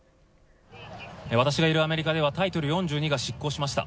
私がいるアメリカではタイトル４２が失効しました。